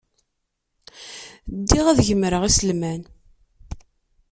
Ddiɣ ad gemreɣ iselman.